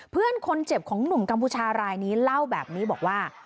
เพื่อนคนเจ็บของหนุ่มกัมพูชารายนี้เล่าแบบนี้บอกว่า